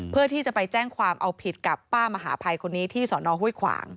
เพื่อที่จะไปแจ้งความเอาผิดกับป้ามหาภัยคนนี้ที่สอนอห้วยขวาง